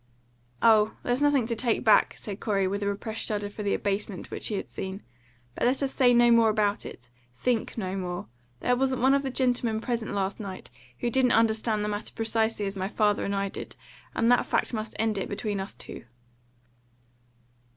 "Oh, there's nothing to take back," said Corey, with a repressed shudder for the abasement which he had seen. "But let us say no more about it think no more. There wasn't one of the gentlemen present last night who didn't understand the matter precisely as my father and I did, and that fact must end it between us two."